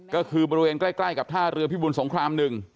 ก็คือบริเวณใกล้กับท่าเรือพิบุญสงคราม๑